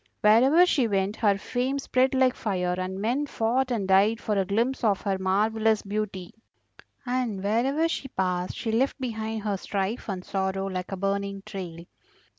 Wherever she went her fame spread like fire, and men fought and died for a glimpse of her marvellous beauty; and wherever she passed she left behind her strife and sorrow like a burning trail.